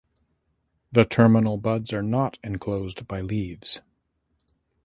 The terminal buds are not enclosed by leaves.